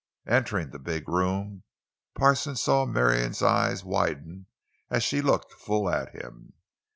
Entering the big room, Parsons saw Marion's eyes widen as she looked full at him.